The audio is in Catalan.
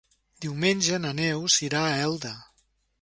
Diumenge na Neus irà a Elda.